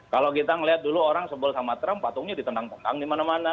kalau kita ngeliat dulu orang sebol sama trump patungnya ditendang tendang dimana mana